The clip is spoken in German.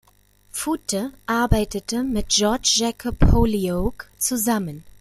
Foote arbeitete mit George Jacob Holyoake zusammen.